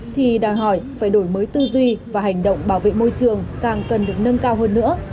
thì đòi hỏi phải đổi mới tư duy và hành động bảo vệ môi trường càng cần được nâng cao hơn nữa